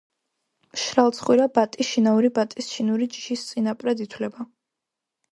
მშრალცხვირა ბატი შინაური ბატის ჩინური ჯიშის წინაპრად ითვლება.